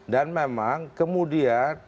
dan memang kemudian